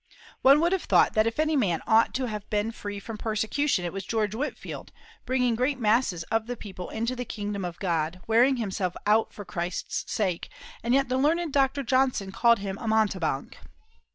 One would have thought that if any man ought to have been free from persecution it was George Whitefield, bringing great masses of the people into the kingdom of God, wearing himself out for Christ's sake: and yet the learned Dr. Johnson called him a mountebank.